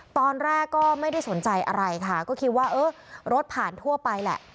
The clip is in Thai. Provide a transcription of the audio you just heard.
ตอนแรกก็ไม่ได้สนใจอะไรค่ะก็คิดว่าเออรถผ่านทั่วไปแหละ